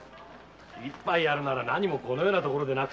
一杯やるなら何もこのような所でなくても。